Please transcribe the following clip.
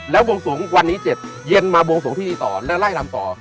แล้ววงสวงวันนี้๗เย็นมาบวงสวงที่นี่ต่อแล้วไล่ลำต่อ